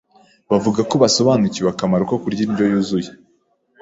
bavuga ko basobanukiwe akamaro ko kurya indyo yuzuye